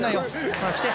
ほら着て。